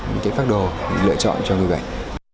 những pháp đồ lựa chọn cho người bệnh